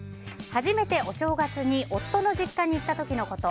初めてお正月に夫の実家に行った時のこと。